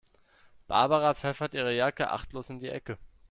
Barbara pfeffert ihre Jacke achtlos in die Ecke.